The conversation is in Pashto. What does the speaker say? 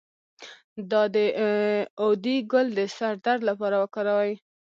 د داودي ګل د سر درد لپاره وکاروئ